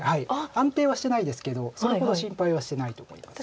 安定はしてないですけどそれほど心配はしてないと思います。